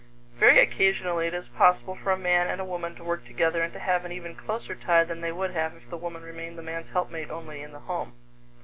Very occasionally it is possible for a man and a woman to work together and to have an even closer tie than they would have if the woman remained the man's helpmate only in the home.